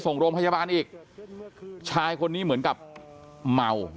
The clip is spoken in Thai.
ส่งโรงพยาบาลอีกชายคนนี้เหมือนกับเมา